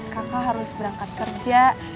kakak harus berangkat kerja